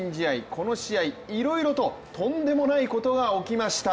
この試合、いろいろととんでもないことが起きました。